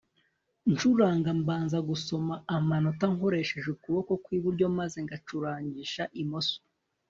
ncuranga mbanza gusoma amanota nkoresheje ukuboko kw iburyo maze ngacurangisha imoso